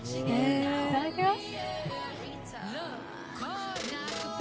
いただきます。